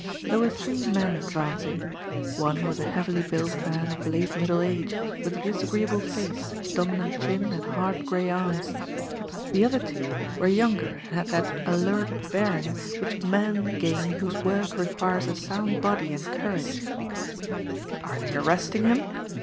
There were three men advancing. One was a heavily built man of late middle age with a disagreeable face, dominant chin and hard gray eyes. The other two were younger and had that alert bearing which men gain whose work requires a sound body and courage. "Are they arresting him?"